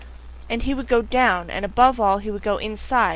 And he would go DOWN, and above all, he would go "inside."